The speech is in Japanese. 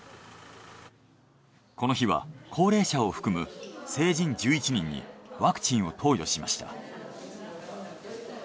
この日は高齢者を含む成人１１人にワクチンを投与しました。